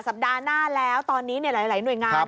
สัปดาห์หน้าแล้วตอนนี้หลายหน่วยงาน